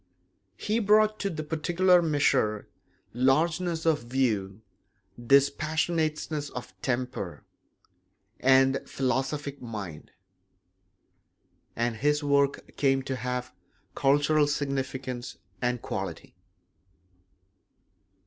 He brought to the particular measure largeness of view, dispassionateness of temper, and the philosophic mind; and his work came to have cultural significance and quality.